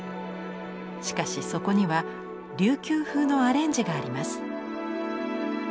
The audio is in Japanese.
しかしそこには琉球風のアレンジがあります。